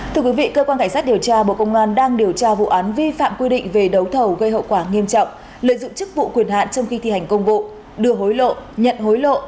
thưa quý vị cơ quan cảnh sát điều tra bộ công an đang điều tra vụ án vi phạm quy định về đấu thầu gây hậu quả nghiêm trọng lợi dụng chức vụ quyền hạn trong khi thi hành công vụ đưa hối lộ nhận hối lộ